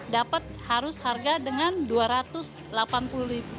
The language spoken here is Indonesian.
dapat harus harga dengan rp dua ratus delapan puluh